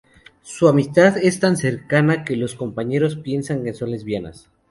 Su amistad es tan cercana que los compañeros piensan que son lesbianas.